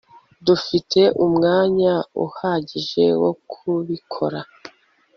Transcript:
dufite umwanya uhagije wo kubikora